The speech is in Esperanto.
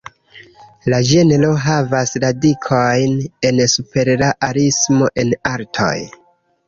La ĝenro havas radikojn en superrealismo en artoj.